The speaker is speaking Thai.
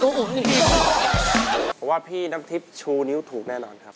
เพราะว่าพี่น้ำทิพย์ชูนิ้วถูกแน่นอนครับ